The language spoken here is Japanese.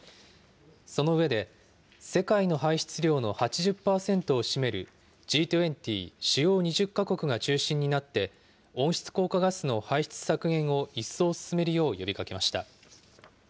その上で、世界の排出量の８０％を占めるＧ２０・主要２０か国が中心になって、温室効果ガスの排出削減を一層進めるよう呼びかけました。